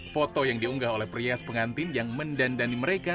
foto yang diunggah oleh perhias pengantin yang mendandani mereka